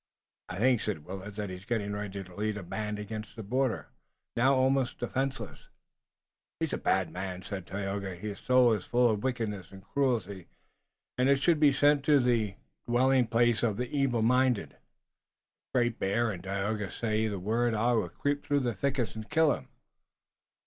"I think," said Willet, "that he's getting ready to lead a band against the border, now almost defenseless." "He is a bad man," said Tayoga. "His soul is full of wickedness and cruelty, and it should be sent to the dwelling place of the evil minded. If Great Bear and Dagaeoga say the word I will creep through the thickets and kill him."